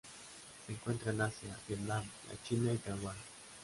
Se encuentran en Asia: Vietnam, la China y Taiwán.